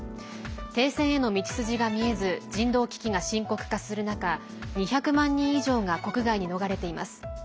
停戦への道筋が見えず人道危機が深刻化する中２００万人以上が国外に逃れています。